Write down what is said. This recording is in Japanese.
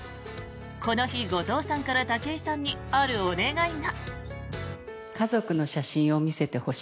この日、後藤さんから武井さんにあるお願いが。